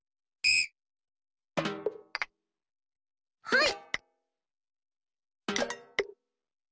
はい。